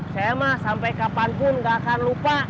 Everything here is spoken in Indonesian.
saya mah sampai kapanpun gak akan lupa